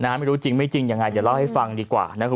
ไม่รู้จริงไม่จริงยังไงจะเล่าให้ฟังดีกว่า